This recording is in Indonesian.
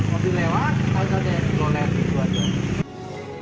mobil lewat ada yang di lolek